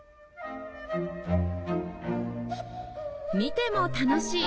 見ても楽しい！